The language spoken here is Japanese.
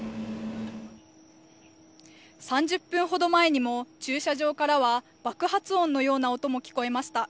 ３０分ほど前にも、駐車場からは爆発音のような音も聞こえました。